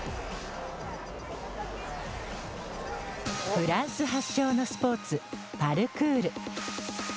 フランス発祥のスポーツパルクール。